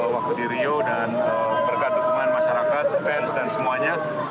waktu di rio dan berkat dukungan masyarakat fans dan semuanya